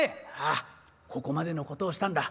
「ああここまでのことをしたんだ。